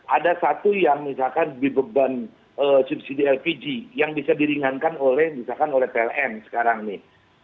ada satu yang misalkan dibeban subsidi lpg yang bisa diringankan oleh misalkan oleh pln sekarang nih